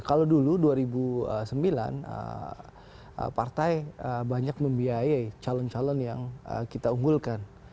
kalau dulu dua ribu sembilan partai banyak membiayai calon calon yang kita unggulkan